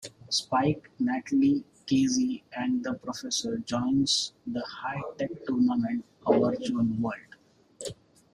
Spike, Natalie, Casi and the Professor joins the High-tech Tournament, a virtual world.